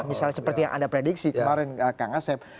misalnya seperti yang anda prediksi kemarin kak